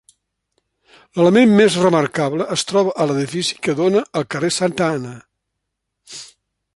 L'element més remarcable es troba a l'edifici que dóna al carrer Santa Anna.